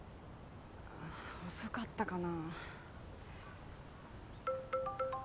遅かったかな。